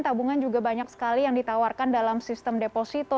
tabungan juga banyak sekali yang ditawarkan dalam sistem deposito